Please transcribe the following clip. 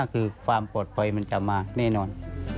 คือความปลอดภัยมันจะมาแน่นอน